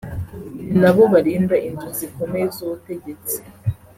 ni nabo barinda inzu zikomeye z’ubutegetsi